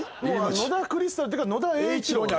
野田クリスタルっていうか野田栄一郎に。